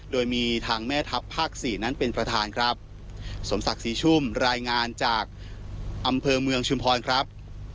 โดยมีทางแม่ทัพภาคสี่นั้นเป็นประธานครับสมศักดิ์ศรีชุ่มรายงานจากอำเภอเมืองชุมพรครับ